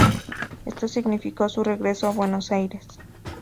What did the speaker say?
Esto significó su regreso a Buenos Aires.